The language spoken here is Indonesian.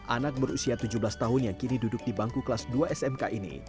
anak berusia tujuh belas tahun yang kini duduk di bangku kelas dua smk ini